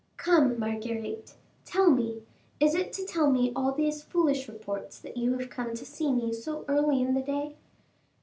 "Come, Marguerite, tell me, is it to tell me all these foolish reports that you have come to see me so early in the day?"